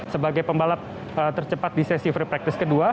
sebagai pembalap tercepat di sesi free practice kedua